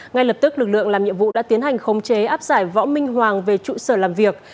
ngay lập tức lực lượng làm nhiệm vụ đã tiến hành khống chế áp giải võ minh hoàng về trụ sở làm việc